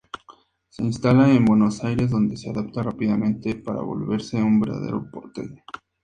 Se instala en Buenos Aires donde se adapta rápidamente para volverse un verdadero porteño.